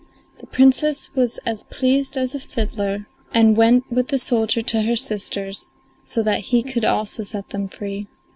The Princess was as pleased as a fiddler, and went with the soldier to her sisters, so that he could also set them free.